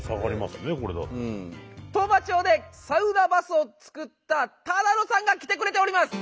当麻町でサウナバスを作った只野さんが来てくれております！